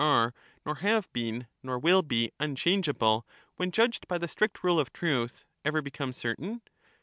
are nor have been nor will be unchangeable, when judged socrates, by the strict rule of truth ever become certain